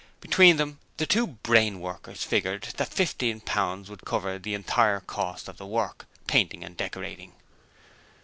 Between them the two brain workers figured that fifteen pounds would cover the entire cost of the work painting and decorating.